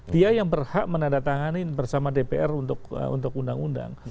dia yang berhak menandatangani bersama dpr untuk undang undang